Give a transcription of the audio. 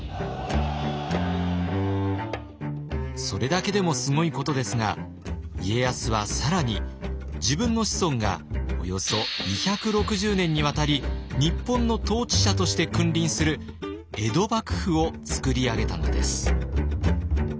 それだけでもすごいことですが家康は更に自分の子孫がおよそ２６０年にわたり日本の統治者として君臨する江戸幕府を作り上げたのです。